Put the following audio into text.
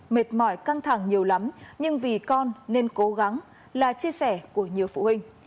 mệt mỏi căng thẳng nhiều lắm nhưng vì con nên cố gắng là chia sẻ của nhiều phụ huynh